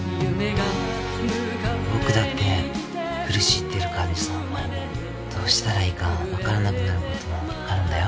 僕だって苦しんでる患者さんを前にどうしたらいいか分からなくなることもあるんだよ。